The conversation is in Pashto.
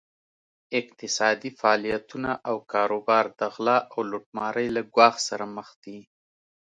اقتصادي فعالیتونه او کاروبار د غلا او لوټمارۍ له ګواښ سره مخ دي.